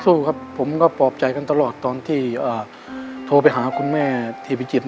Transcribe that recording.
สู้ครับผมก็ปลอบใจกันตลอดตอนที่โทรไปหาคุณแม่ที่พิจิตร